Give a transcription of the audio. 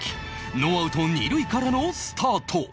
ノーアウト二塁からのスタート